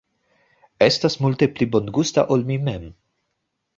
Estas multe pli bongusta ol mi mem